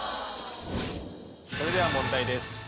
それでは問題です。